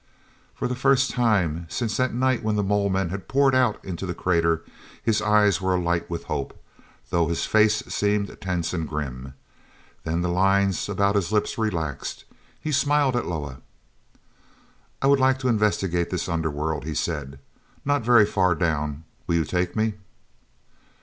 For the first time since that night when the mole men had poured out into the crater, his eyes were alight with hope, though his face seemed tense and grim. Then the lines about his lips relaxed; he smiled at Loah. "I would like to investigate this under world," he said, "—not very far down. Will you take me?"